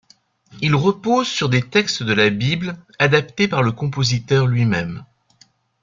Il repose sur des textes de la Bible adaptés par le compositeur lui-même.